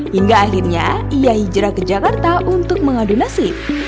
hingga akhirnya ia hijrah ke jakarta untuk mengadu nasib